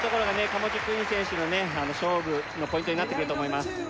カマチョクイン選手の勝負のポイントになってくると思います